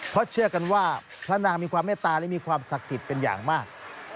เพราะเชื่อกันว่าพระนางมีความเมตตาและมีความศักดิ์สิทธิ์เป็นอย่างมาก